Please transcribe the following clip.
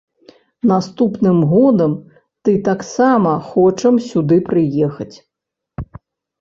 Наступным годам ты таксама хочам сюды прыехаць.